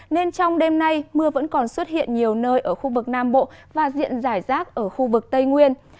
nên trong đêm nay mưa vẫn còn xuất hiện nhiều nơi ở khu vực nam bộ và diện giải rác ở khu vực tây nguyên